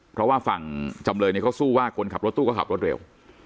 เพราะว่าฝั่งจำเลยเขาสู้ว่าคนขับรถตู้ก็ขับรถเร็ว